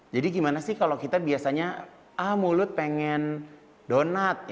jadi gimana sih kalau kita biasanya ah mulut pengen donat